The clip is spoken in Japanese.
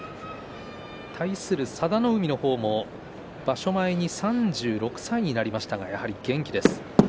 対する佐田の海の方も場所前に３６歳になりましたがやはり元気です。